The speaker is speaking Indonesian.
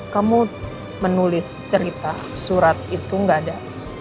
kamu menulis cerita surat itu nggak ada